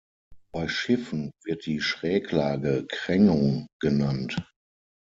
Bei Schiffen wird die Schräglage Krängung genannt.